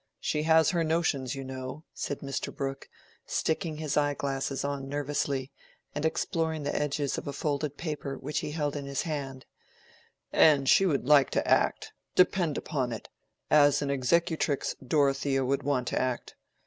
She has her notions, you know," said Mr. Brooke, sticking his eye glasses on nervously, and exploring the edges of a folded paper which he held in his hand; "and she would like to act—depend upon it, as an executrix Dorothea would want to act.